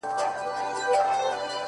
که دا دنیا او که د هغي دنیا حال ته ګورم-